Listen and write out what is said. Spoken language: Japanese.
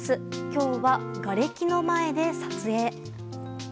今日は、がれきの前で撮影。